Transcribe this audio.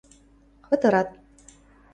Кытырат.